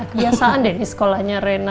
kebiasaan deh di sekolahnya rena